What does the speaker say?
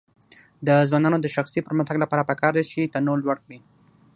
د ځوانانو د شخصي پرمختګ لپاره پکار ده چې تنوع لوړ کړي.